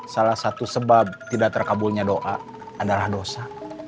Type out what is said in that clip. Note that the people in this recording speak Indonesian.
salah satu sebab tidak terkabulnya doa adalah dosa